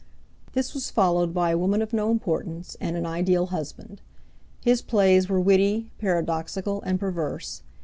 This was followed by A Woman of No Importance and An Ideal Husband. His plays were witty, paradoxical and perverse.